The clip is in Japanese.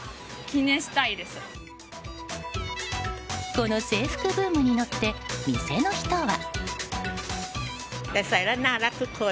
この制服ブームに乗って店の人は。